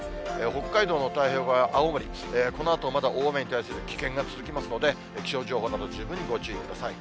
北海道の太平洋側や青森、このあとまだ大雨に対する危険が続きますので、気象情報など、十分にご注意ください。